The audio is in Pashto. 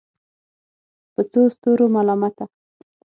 په څو ستورو ملامته